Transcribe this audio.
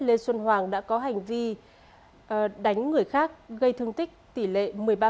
lê xuân hoàng đã có hành vi đánh người khác gây thương tích tỷ lệ một mươi ba